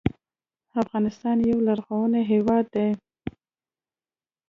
افغانستان یو لرغونی هیواد دی.